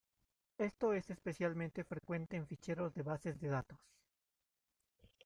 Esto es especialmente frecuente en ficheros de bases de datos.